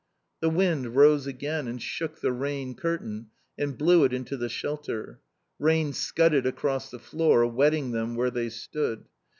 The wind rose again and shook the rain curtain and blew it into the shelter. Rain scudded across the floor, wetting them where they stood.